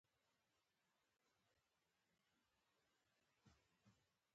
په منډه به مې پاڼه د ژوند له کتابه ور ټوله شي